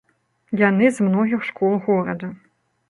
Яны з многіх школ горада.